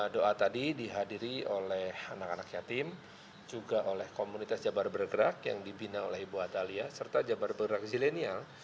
doa tadi dihadiri oleh anak anak yatim juga oleh komunitas jabar bergerak yang dibina oleh ibu atalia serta jabar bergerak zilenial